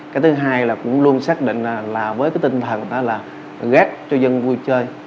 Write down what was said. cái thứ hai cũng luôn xác định là với tinh thần gác cho dân vui chơi